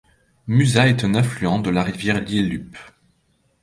Musa est un affluent de la rivière Lielupe.